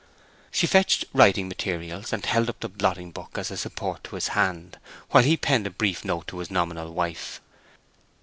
She fetched writing materials, and held up the blotting book as a support to his hand, while he penned a brief note to his nominal wife.